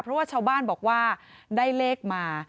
เพราะว่าชาวบ้านบอกว่าได้เลขมา